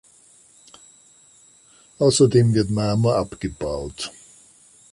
Außerdem wird Marmor abgebaut.